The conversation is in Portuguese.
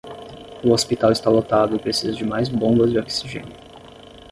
O hospital está lotado e precisa de mais bombas de oxigênio